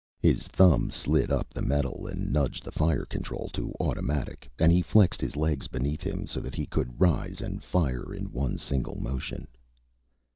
His thumb slid up the metal and nudged the fire control to automatic and he flexed his legs beneath him so that he could rise and fire in one single motion.